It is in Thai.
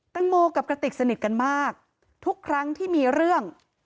แตงโมกับกระติกสนิทกันมากทุกครั้งที่มีเรื่อง